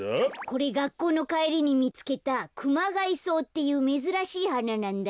これがっこうのかえりにみつけたクマガイソウっていうめずらしいはななんだ。